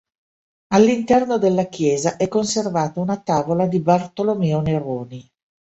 All'interno della chiesa è conservata una tavola di Bartolomeo Neroni.